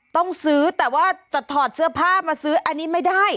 ต้องซื้อแต่ว่าจะถอดเสื้อผ้ามาซื้ออันนี้ไม่ได้